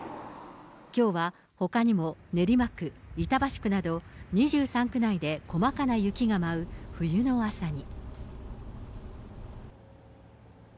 きょうはほかにも練馬区、板橋区など、２３区内で細かな雪が舞う冬の朝に。